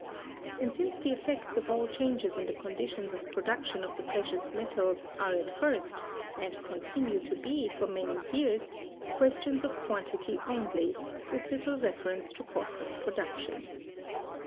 And hence the effects of all changes in the conditions of production of the precious metals are at first, and continue to be for many years, questions of quantity only, with little reference to cost of production.